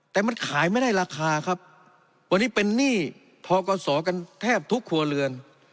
แต่มันขายไม่ได้ราคาครับวันนี้เป็นหนี้ทกศกันแทบทุกครัวเรือน